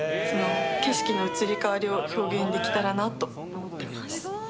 景色の移り変わりを表現できたらなと思います。